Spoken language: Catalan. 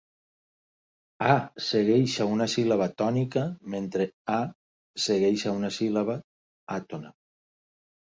A segueix a una síl·laba tònica mentre a segueix a una síl·laba àtona.